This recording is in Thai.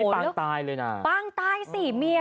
ปางตายเลยนะปางตายสิเมีย